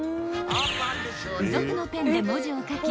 ［付属のペンで文字を書き